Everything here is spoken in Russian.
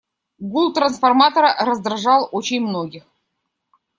Гул трансформатора раздражал очень многих.